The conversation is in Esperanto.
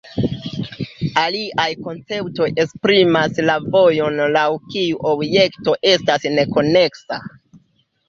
Aliaj konceptoj esprimas la vojon laŭ kiu objekto estas "ne" koneksa.